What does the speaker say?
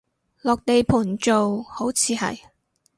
落地盤做，好似係